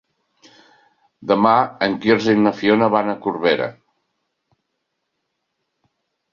Demà en Quirze i na Fiona van a Corbera.